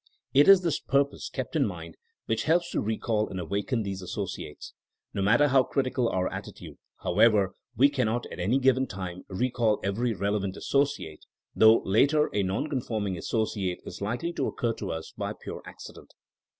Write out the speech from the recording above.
It is this purpose kept in mind which helps to recall and awaken these associates. No matter how critical our attitude, however, we cannot at any given time recall every relevant associate, though later a non conforming'* associate is likely to occur to us by pure accident.